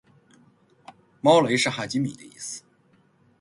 猫雷是哈基米的意思